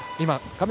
画面